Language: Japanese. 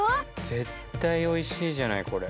絶対おいしいじゃないこれ。